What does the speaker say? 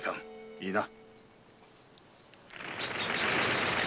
いいな？